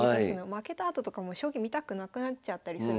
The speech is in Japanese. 負けたあととかもう将棋見たくなくなっちゃったりするので。